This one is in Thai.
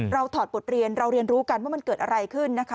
ถอดบทเรียนเราเรียนรู้กันว่ามันเกิดอะไรขึ้นนะคะ